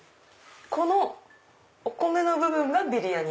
このお米の部分がビリヤニ？